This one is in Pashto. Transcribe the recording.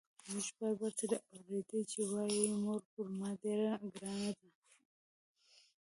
موږ بار بار ترې اورېدلي چې وايي مور پر ما ډېره ګرانه ده.